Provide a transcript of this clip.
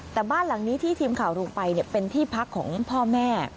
แต่บ้านหลังนี้ที่ทีมข่าวลงไปเป็นที่พักของพ่อแม่